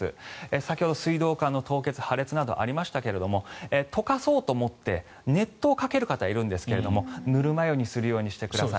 先ほど水道管の凍結・破裂などありましたが溶かそうと思って熱湯をかける方がいるんですがぬるま湯にするようにしてください。